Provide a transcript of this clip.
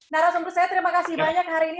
nah rasanya untuk saya terima kasih banyak hari ini